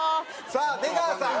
さあ出川さん。